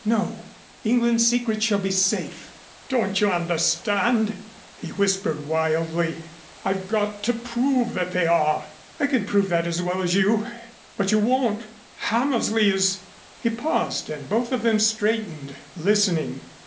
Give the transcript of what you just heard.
"No. England's secrets shall be safe." "Don't you understand?" he whispered wildly. "I've got to prove that they are." "I can prove that as well as you " "But you won't. Hammersley is " He paused and both of them straightened, listening.